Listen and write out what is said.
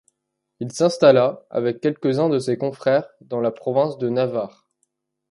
Il s'installa, avec quelques-uns de ses confrères, dans la province de Navarre.